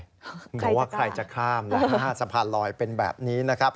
ใครจะกล้าคุณว่าใครจะข้ามนะฮะสภานลอยเป็นแบบนี้นะครับ